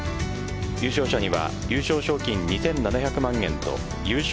優勝者には優勝賞金２７００万円と優勝